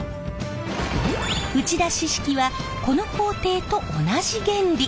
打ち出し式はこの工程と同じ原理。